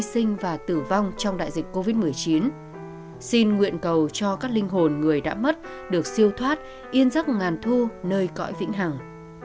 xin nguyện cầu cho các linh hồn người đã mất được siêu thoát yên giấc ngàn thu nơi cõi vĩnh hẳng